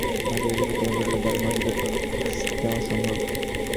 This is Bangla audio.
শুধু আনুষ্ঠানিকতা নয়, সর্বস্তরে মাতৃভাষার প্রচলন ঘটলেই কেবল তার মর্যাদা প্রতিষ্ঠা সম্ভব।